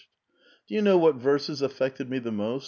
347 " Do you know what verses affected me the most?